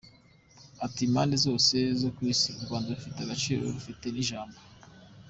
Ati “Impande zose z’ Isi u Rwanda rufite agaciro rufite n’ ijambo.